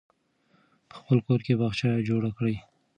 په خپل کور کې باغچه جوړه کړئ.